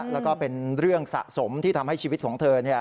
แล้วก็เป็นเรื่องสะสมที่ทำให้ชีวิตของเธอ